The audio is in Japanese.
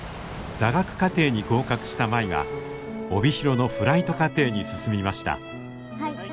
座学課程に合格した舞は帯広のフライト課程に進みました。